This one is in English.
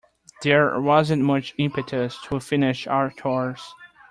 There wasn't much impetus to finish our chores.